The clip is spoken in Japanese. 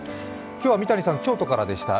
今日は三谷さん、京都からでした。